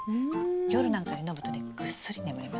夜なんかに飲むとねぐっすり眠れますよ。